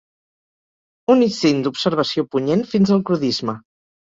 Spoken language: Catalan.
Un instint d'observació punyent fins al crudisme